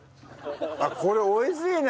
あっこれ美味しいね！